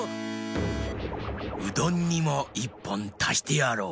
うどんにも１ぽんたしてやろう。